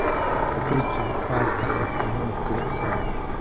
Ukurikije uko asa, asa nkumukire cyane.